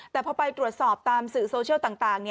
แต่พอไปตรวจสอบตามสื่อโซเชียลต่าง